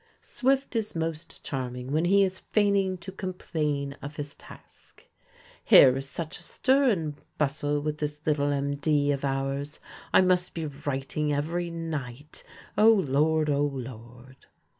Swift is most charming when he is feigning to complain of his task: "Here is such a stir and bustle with this little MD of ours; I must be writing every night; O Lord, O Lord!"